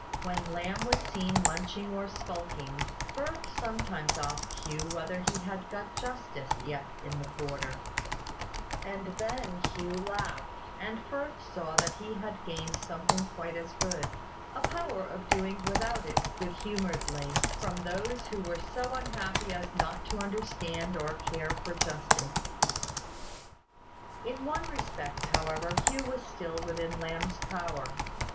When Lamb was seen munching or skulking, Firth sometimes asked Hugh whether he had got justice yet in that quarter: and then Hugh laughed; and Firth saw that he had gained something quite as good, a power of doing without it good humouredly, from those who were so unhappy as not to understand or care for justice. In one respect, however, Hugh was still within Lamb's power.